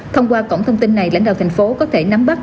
thông qua cổng thông tin này lãnh đạo thành phố có thể nắm bắt